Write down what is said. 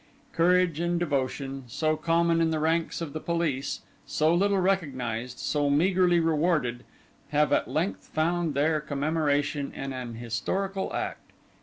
Courage and devotion, so common in the ranks of the police, so little recognised, so meagrely rewarded, have at length found their commemoration in an historical act.